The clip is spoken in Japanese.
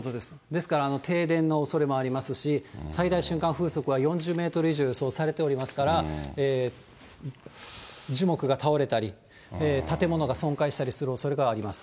ですから、停電のおそれもありますし、最大瞬間風速は４０メートル以上予想されておりますから、樹木が倒れたり、建物が損壊したりするおそれがあります。